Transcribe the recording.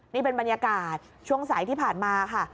นี่เป็นบรรยากาศช่วงสายที่ผ่านมาค่ะ